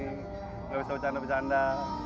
nggak bisa bercanda bercanda